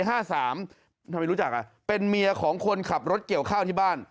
ทำไมรู้จักอ่ะเป็นเมียของคนขับรถเกี่ยวข้าวที่บ้าน